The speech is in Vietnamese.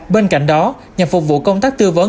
bên cạnh đó nhằm phục vụ công tác tư vấn